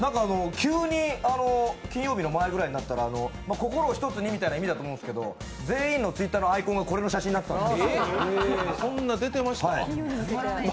急に金曜日の周りになったら、心を一つにってことだと思いますけど全員のＴｗｉｔｔｅｒのアイコンがこれの写真になってたんです。